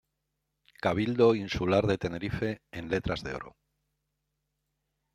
Cabildo Insular de Tenerife" en letras de oro.